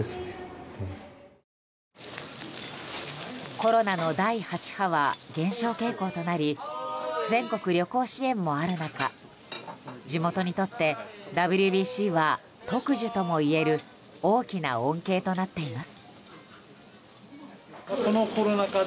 コロナの第８波は減少傾向となり全国旅行支援もある中地元にとって、ＷＢＣは特需ともいえる大きな恩恵となっています。